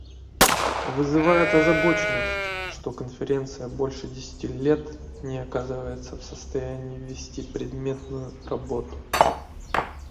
Вызывает озабоченность, что Конференция больше десяти лет не оказывается в состоянии вести предметную работу.